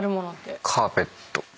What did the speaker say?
カーペット。